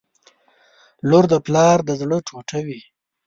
• لور د پلار د زړه ټوټه وي.